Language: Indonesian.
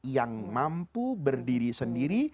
yang mampu berdiri sendiri